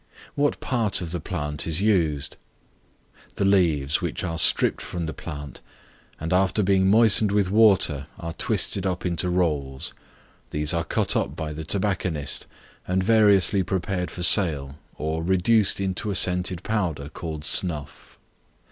What part of the plant is used? The leaves, which are stripped from the plant, and after being moistened with water, are twisted up into rolls; these are cut up by the tobacconist, and variously prepared for sale, or reduced into a scented powder called snuff.